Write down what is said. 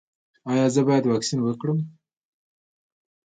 ایا زه باید واکسین وکړم؟